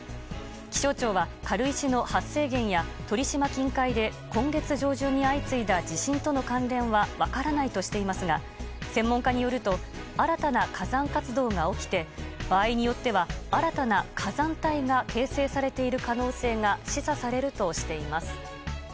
気象庁は軽石の発生源や鳥島近海で今月上旬に相次いだ地震との関連は分からないとしていますが専門家によると新たな火山活動が起きて場合によっては新たな火山体が形成されている可能性が示唆されるとしています。